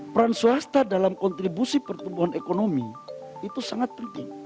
peran swasta dalam kontribusi pertumbuhan ekonomi itu sangat penting